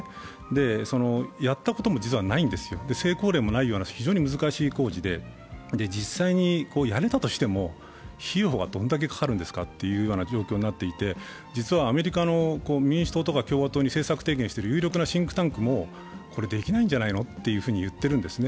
やったことも実はないんですよ、成功例もないような非常に難しい工事で、実際にやれたとしても、費用はどれだけかかるんですか？という状況になっていて、実はアメリカの民主党や共和党に政策提言している有力なシンクタンクもこれはできないんじゃないのと言っているわけですね。